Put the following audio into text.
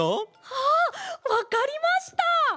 あっわかりました！